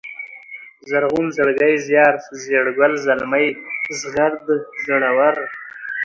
زرغون ، زړگی ، زيار ، زېړگل ، زلمی ، زغرد ، زړور